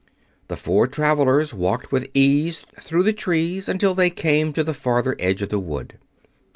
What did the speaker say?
The four travelers walked with ease through the trees until they came to the farther edge of the wood.